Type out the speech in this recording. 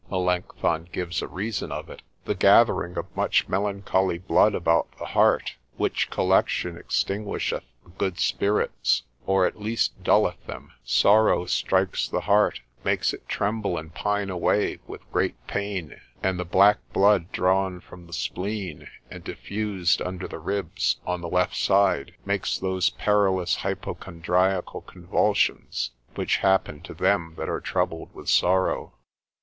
Melancthon gives a reason of it, the gathering of much melancholy blood about the heart, which collection extinguisheth the good spirits, or at least dulleth them, sorrow strikes the heart, makes it tremble and pine away, with great pain; and the black blood drawn from the spleen, and diffused under the ribs, on the left side, makes those perilous hypochondriacal convulsions, which happen to them that are troubled with sorrow.